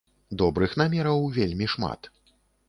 Добрых намераў вельмі шмат.